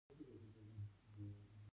هغه وويل مولوي صاحب ډېر يادولې.